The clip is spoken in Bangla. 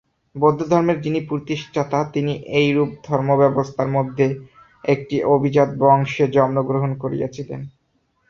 বৌদ্ধধর্মের যিনি প্রতিষ্ঠাতা, তিনি এইরূপ ধর্মব্যবস্থার মধ্যে একটি অভিজাত বংশে জন্মগ্রহণ করিয়াছিলেন।